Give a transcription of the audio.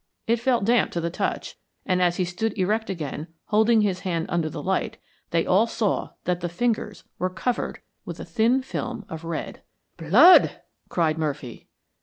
It felt damp to the touch, and as he stood erect again, holding his hand under the light, they all saw that the fingers were covered with a thin film of red. "Blood!" cried Murphy.